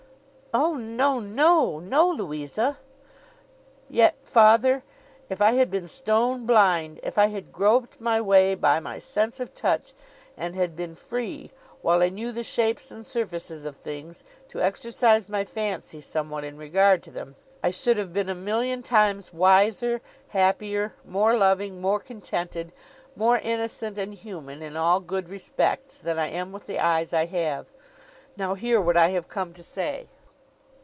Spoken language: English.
'O no, no. No, Louisa.' 'Yet, father, if I had been stone blind; if I had groped my way by my sense of touch, and had been free, while I knew the shapes and surfaces of things, to exercise my fancy somewhat, in regard to them; I should have been a million times wiser, happier, more loving, more contented, more innocent and human in all good respects, than I am with the eyes I have. Now, hear what I have come to say.